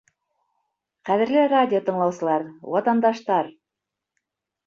— Ҡәҙерле радио тыңлаусылар, ватандаштар!